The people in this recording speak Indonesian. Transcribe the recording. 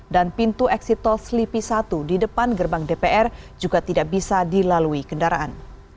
dan pintu eksit tol slipi satu di depan gerbang dpr juga tidak bisa dilalui kendaraan